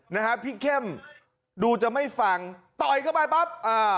นะฮะพี่เข้มดูจะไม่ฟังต่อยเข้าไปปั๊บอ่า